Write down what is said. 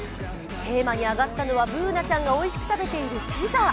テーマに挙がったのは、Ｂｏｏｎａちゃんがおいしく食べているピザ。